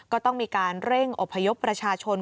ก็ต้องมีการเร่งอบพยพประชาชน